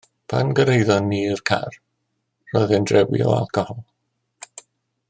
Ond pan gyrhaeddon ni'r car roedd e'n drewi o alcohol